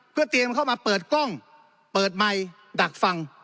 เพื่อเตรียมเข้ามาเปิดกล้องเปิดไมค์ดักฟัง